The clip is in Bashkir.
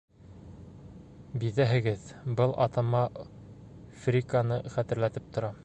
Биҙәһегеҙ, был атама Фриканы хәтерләтеп тора.